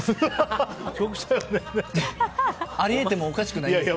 あり得てもおかしくないですけど。